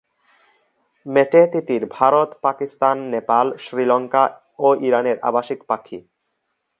মেটে তিতির ভারত, পাকিস্তান, নেপাল, শ্রীলঙ্কা ও ইরানের আবাসিক পাখি।